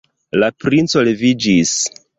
La princo leviĝis.